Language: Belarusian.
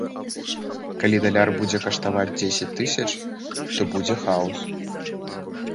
Калі даляр будзе каштаваць дзесяць тысяч, то будзе хаос.